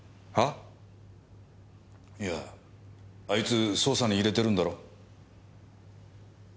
いやあいつ捜査に入れてるんだろ。